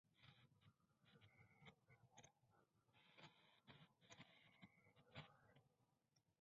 Noam is the fourth child of five.